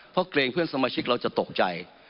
เพราะเกรงเพื่อนสมาชิกเราจะตกใจ